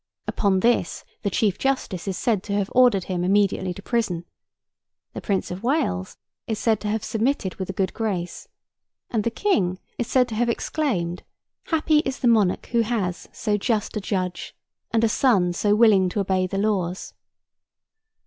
Upon this the Chief Justice is said to have ordered him immediately to prison; the Prince of Wales is said to have submitted with a good grace; and the King is said to have exclaimed, 'Happy is the monarch who has so just a judge, and a son so willing to obey the laws.